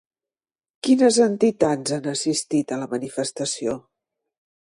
Quines entitats han assistit a la manifestació?